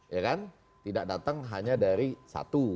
ya kan tidak datang hanya dari satu